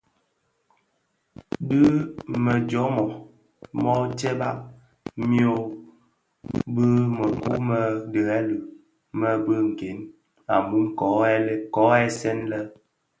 Dhi me jommog mōō tsebbag myom bi mëkuu më ndhèli më bi nken a mum kō dhesè lè.